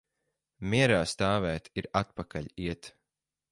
Mierā stāvēt ir atpakaļ iet.